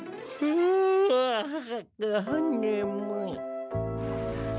ねむい。